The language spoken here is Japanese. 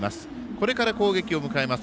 これから、攻撃を迎えます